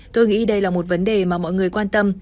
tôi nghĩ đây là một vấn đề mà mọi người quan tâm